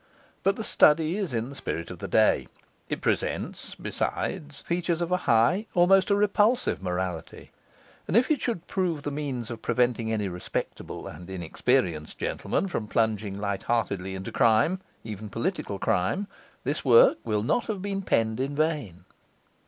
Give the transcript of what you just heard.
But the study is in the spirit of the day; it presents, besides, features of a high, almost a repulsive, morality; and if it should prove the means of preventing any respectable and inexperienced gentleman from plunging light heartedly into crime, even political crime, this work will not have been penned in vain.